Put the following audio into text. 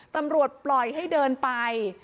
ตำรวจปล่อยให้เดินไป